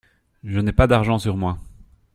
Je n’ai pas d’argent sur moi.